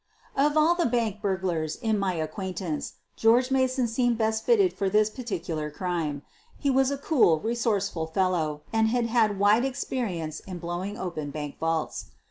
Of all the bank burglars in my acquaintance George Mason seemed best fitted for this particular QUEEN OP THE BURGLARS 131 crime. He was a cool, resourceful fellow and had had wide experience in blowing open bank vaults.